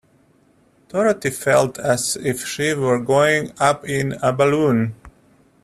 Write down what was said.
Dorothy felt as if she were going up in a balloon.